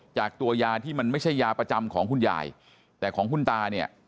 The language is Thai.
จากตัวยาที่มันไม่ใช่ยาประจำของคุณยายแต่ของคุณตาเนี่ย